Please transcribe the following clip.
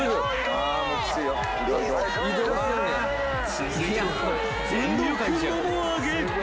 ［続いては全力もも上げ］